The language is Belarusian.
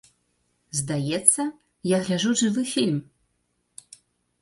Здаецца, я гляджу жывы фільм!